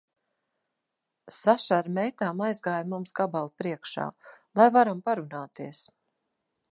Saša ar meitām aizgāja mums gabalu priekšā, lai varam parunāties.